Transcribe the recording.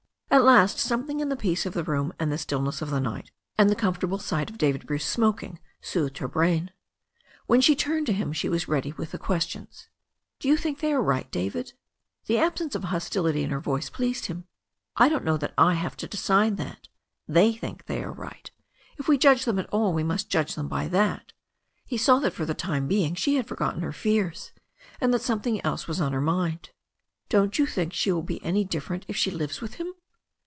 At last something in the peace of the room and the still ness of the night, and the comfortable sight of David Bruce smoking soothed her brain. When she turned to him she was ready with the questions. "Do you think they are right, David?" The absence of hostility in her voice pleased him. "I don't know that I have to decide that. They think they are right. If we judge them at all, we must judge them by that." He saw that for the time being she had forgotten her fears, and that something else was on her mind. "You don't think she will be any different if she lives with him?"